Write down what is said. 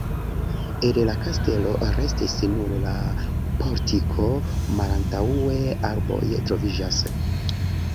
El la kastelo restis nur la portiko, malantaŭe arboj troviĝas.